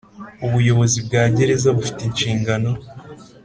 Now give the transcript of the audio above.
Ubuyobozi bwa gereza bufite inshingano